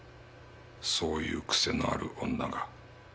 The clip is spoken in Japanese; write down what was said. そういう癖のある女が。